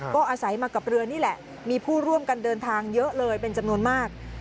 ก็อาศัยมากับเรือนี่แหละมีผู้ร่วมกันเดินทางเยอะเลยเป็นจำนวนมาก